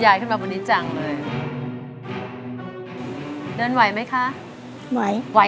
อะไรมี